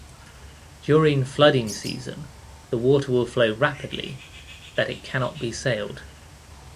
During flooding season the water will flow rapidly that it cannot be sailed.